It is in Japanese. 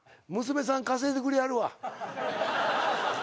娘さん稼いでくれはるわ。